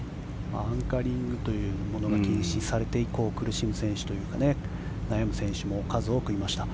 アンカーリングというものが禁止されて以降苦しむ選手というか悩む選手も数多くいました。